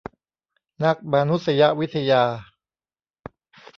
นักมานุษยวิทยา